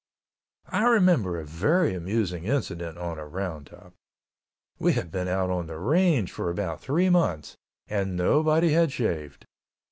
I remember a very amusing incident on a roundup. We had been out on the range for about three months, and nobody had shaved.